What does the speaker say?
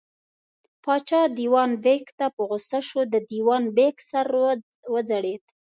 پاچا دېوان بېګ ته په غوسه شو، د دېوان بېګ سر وځړېد.